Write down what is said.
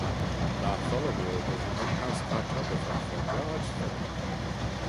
Bartholomew was an in-house cartographer for George Philip.